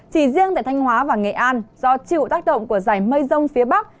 chỉ riêng tại thanh hóa và nghệ an do chịu tác động của giải mây rông phía bắc